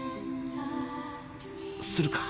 するか？